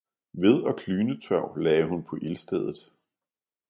ved og klynetørv lagde hun på ildstedet.